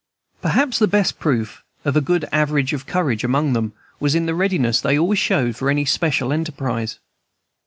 Perhaps the best proof of a good average of courage among them was in the readiness they always showed for any special enterprise.